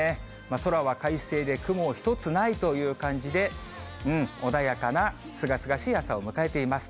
空は快晴で、雲ひとつないという感じで、穏やかなすがすがしい朝を迎えています。